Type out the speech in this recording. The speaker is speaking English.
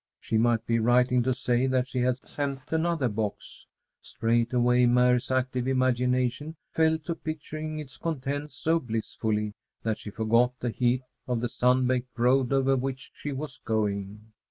She might be writing to say that she had sent another box. Straightway Mary's active imagination fell to picturing its contents so blissfully that she forgot the heat of the sun baked road over which she was going.